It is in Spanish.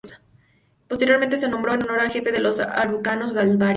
Posteriormente se nombró en honor del jefe de los araucanos Galvarino.